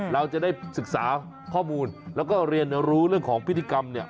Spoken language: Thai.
เราจะได้ศึกษาข้อมูลแล้วก็เรียนรู้เรื่องของพิธีกรรมเนี่ย